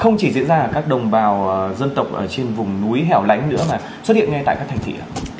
không chỉ diễn ra ở các đồng bào dân tộc ở trên vùng núi hẻo lánh nữa mà xuất hiện ngay tại các thành thị